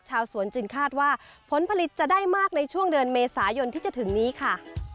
ชาวสวนจึงคาดว่าผลผลิตจะได้มากในช่วงเดือนเมษายนที่จะถึงนี้ค่ะ